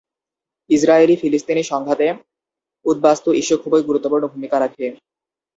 ইসরায়েলি-ফিলিস্তিনি সংঘাতে উদ্বাস্তু ইস্যু খুবই গুরুত্বপূর্ণ ভূমিকা রাখে।